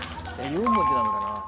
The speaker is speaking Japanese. ４文字なのかな？